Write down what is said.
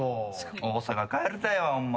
大阪帰りたいわホンマ。